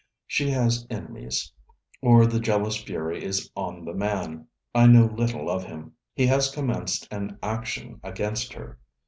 She has enemies, or the jealous fury is on the man I know little of him. He has commenced an action against her.